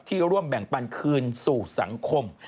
ร่วมแบ่งปันคืนสู่สังคม